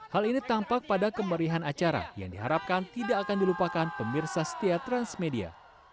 hal ini tampak pada kemerihan acara yang diharapkan tidak akan dilupakan pemirsa setia transmedia